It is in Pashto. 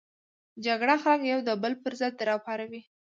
جګړه خلک د یو بل پر ضد راپاروي